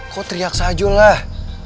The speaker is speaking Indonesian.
kok teriak saja lah